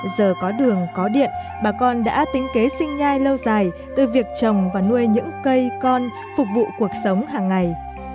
giờ có đường có điện bà con đã tính kế sinh nhai lâu dài từ việc trồng và nuôi những cây con phục vụ cuộc sống hàng ngày